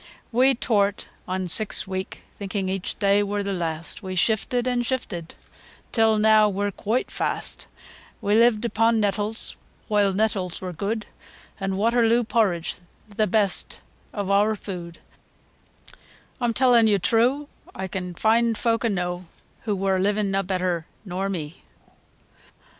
III. We tow'rt on six week thinking aitch day wur th' last, We shifted, an' shifted, till neaw we're quoite fast; We lived upo' nettles, whoile nettles wur good, An' Waterloo porridge the best o' eawr food, Oi'm tellin' yo' true, Oi can find folk enow, As wur livin' na better nor me.